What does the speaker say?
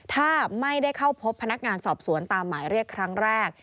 ถ้าไม่ได้เข้าพบพนักงานสอบสวนตามหมายเรียกครั้งแรก